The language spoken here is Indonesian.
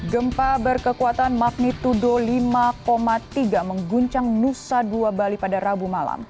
gempa berkekuatan magnitudo lima tiga mengguncang nusa dua bali pada rabu malam